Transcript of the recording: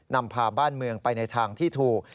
นำพาบ้านเมืองไปในทางที่ถูก